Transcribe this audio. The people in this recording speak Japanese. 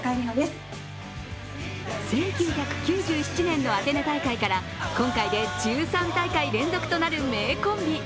１９９７年のアテネ大会から今回で１３大会連続となる名コンビ。